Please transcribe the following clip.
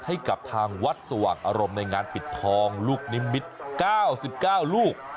ให้กับทางวัดสว่างอารมณ์ในงานปิดทองลูกนิมิตร๙๙ลูก